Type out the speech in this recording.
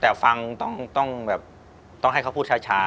ที่ผ่านมาที่มันถูกบอกว่าเป็นกีฬาพื้นบ้านเนี่ย